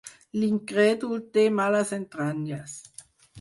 L'incrèdul té males entranyes.